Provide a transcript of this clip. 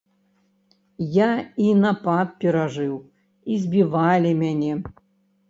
Я і напад перажыў, і збівалі мяне.